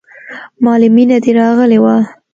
مالې مينه دې راغلې وه.